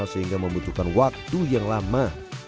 sehingga membutuhkan waktu yang lama